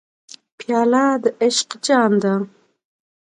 پیاله د عشق جام ده.